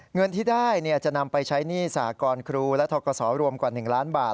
เงินที่ได้จะนำไปใช้หนี้สากรครูและทกศรวมกว่า๑ล้านบาท